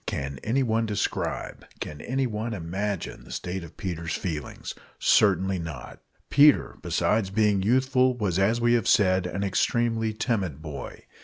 Can anyone describe, can anyone imagine, the state of Peter's feelings? Certainly not! Peter, besides being youthful, was, as we have said, an extremely timid boy.